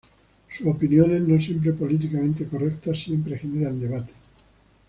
Sus opiniones, no siempre políticamente correctas, siempre generan debate.